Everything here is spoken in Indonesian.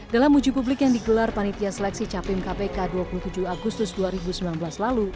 dalam uji publik yang digelar panitia seleksi capim kpk dua puluh tujuh agustus dua ribu sembilan belas lalu